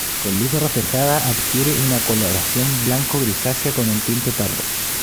Con luz reflejada adquiere una coloración blanco grisácea con un tinte pardo.